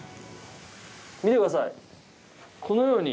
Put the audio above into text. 見てください。